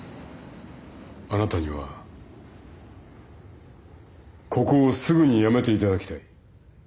あなたにはここをすぐに辞めていただきたい。